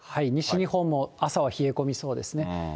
西日本も朝は冷え込みそうですね。